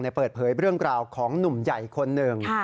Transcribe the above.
เปิดเผยเรื่องราวของหนุ่มใหญ่คนหนึ่ง